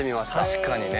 確かにね